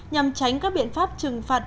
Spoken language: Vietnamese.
nhằm tránh các biện pháp trừng phạt